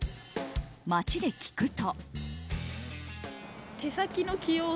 街で聞くと。